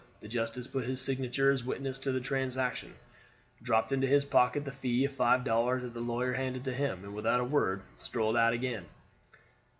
The justice put his signature as witness to the transaction, dropped into his pocket the fee of five dollars that the lawyer handed to him, and without a word strolled out again.